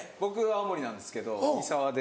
青森なんですけど三沢で。